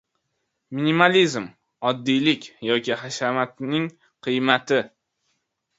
Minimalizm, oddiylik yoki hashamatning qiymati